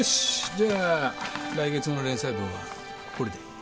じゃあ来月の連載分はこれで。